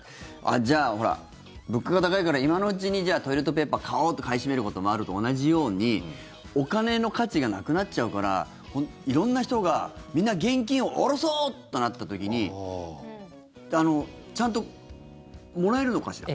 じゃあ、ほら物価が高いから今のうちにトイレットペーパーを買おうと買い占めることもあると同じようにお金の価値がなくなっちゃうから色んな人がみんな現金を下ろそうとなった時にちゃんともらえるのかしら？